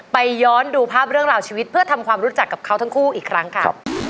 ย้อนดูภาพเรื่องราวชีวิตเพื่อทำความรู้จักกับเขาทั้งคู่อีกครั้งค่ะ